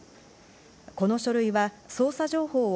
この書類は捜査情報を